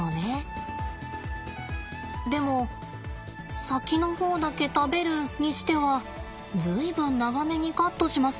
でも先の方だけ食べるにしては随分長めにカットしますね。